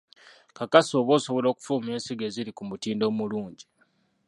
Kakasa oba osobola okufulumya ensigo eziri ku mutindo omulungi.